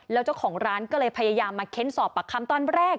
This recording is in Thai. แล้วเจ้าของร้านก็เลยพยายามมาเค้นสอบปากคำตอนแรก